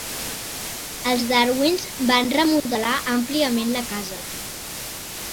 Els Darwins van remodelar àmpliament la casa.